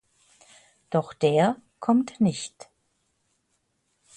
Doch der kommt nicht.